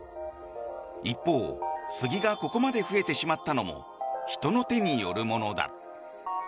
一方、スギがここまで増えてしまったのも人の手によるものだ。